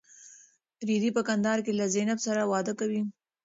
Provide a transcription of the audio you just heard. رېدی په کندهار کې له زینب سره واده کوي.